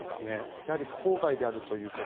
やはり郊外であるということ。